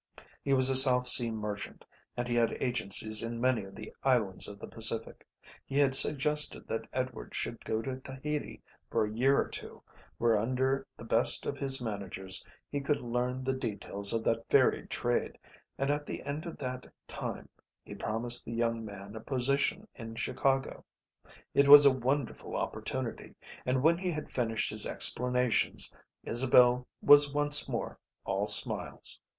He was a South Sea merchant, and he had agencies in many of the islands of the Pacific. He had suggested that Edward should go to Tahiti for a year or two, where under the best of his managers he could learn the details of that varied trade, and at the end of that time he promised the young man a position in Chicago. It was a wonderful opportunity, and when he had finished his explanations Isabel was once more all smiles.